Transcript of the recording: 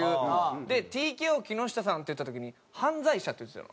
で「ＴＫＯ木下さん」って言った時に「犯罪者」って言ってたよな。